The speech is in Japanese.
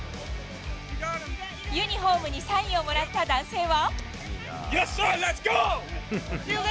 ユニホームにサインをもらった男性は。